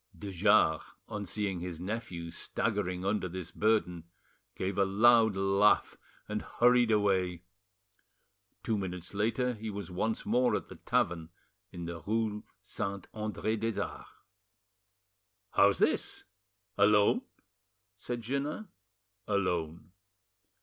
De Jars, on seeing his nephew staggering under this burden, gave a loud laugh, and hurried away. Two minutes later he was once more at the tavern in the rue Saint Andre des Arts. "How's this? Alone?" said Jeannin. "Alone."